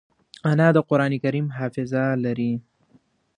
انا د قرانکریم حافظه لري